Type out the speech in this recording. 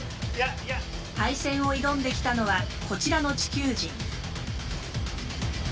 対戦を挑んできたのはこちらの地球人。